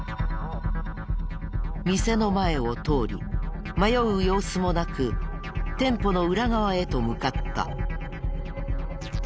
店の前を通り迷う様子もなく店舗の裏側へと向かった。